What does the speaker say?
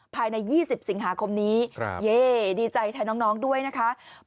ภายใน๒๐สิงหาคมนี้เย่ดีใจแทนน้องด้วยนะคะ